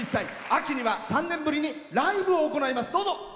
秋には３年ぶりにライブを行います。